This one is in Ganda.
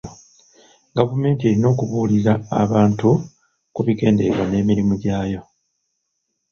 Gavumenti erina okubuulira abantu ku bigendererwa n'emirimu gyayo.